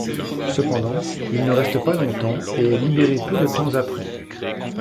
Cependant, il ne reste pas longtemps et est libéré peu de temps après.